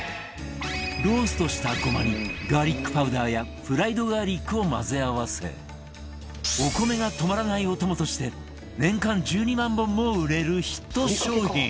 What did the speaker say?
ローストしたゴマにガーリックパウダーやフライドガーリックを混ぜ合わせお米が止まらないお供として年間１２万本も売れるヒット商品